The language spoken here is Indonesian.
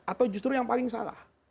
atau justru yang paling salah